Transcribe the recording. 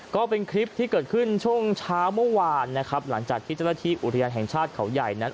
ก็เป็นคลิปที่เกิดขึ้นช่วงเช้าเมื่อวานนะครับหลังจากที่เจ้าหน้าที่อุทยานแห่งชาติเขาใหญ่นั้น